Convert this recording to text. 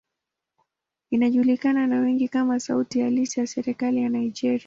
Inajulikana na wengi kama sauti halisi ya serikali ya Nigeria.